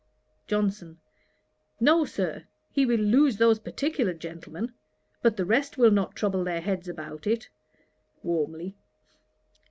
JOHNSON. 'No, Sir. He will lose those particular gentlemen; but the rest will not trouble their heads about it.' (warmly.)